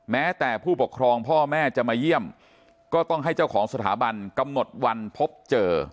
แม้แต่ผู้ปกครองพ่อแม่จะมาเยี่ยมก็ต้องให้เจ้าของสถาบันกำหนดวันพบเจอ